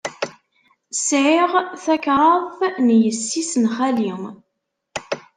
Sɛiɣ kraḍt n yessi-s n xali.